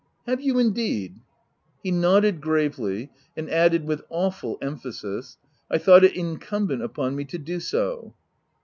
" Have you indeed ?" He nodded gravely, and added with awful emphasis —" I thought it incumbent upon me to do so."